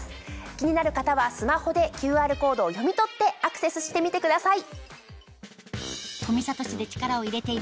気になる方はスマホでＱＲコードを読み取ってアクセスしてみてください。